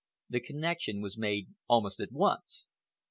The connection was made almost at once.